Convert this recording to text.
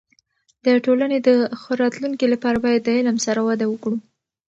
د ټولنې د ښه راتلونکي لپاره باید د علم سره وده وکړو.